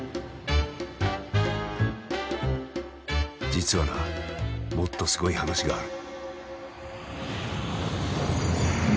実はなもっとすごい話がある。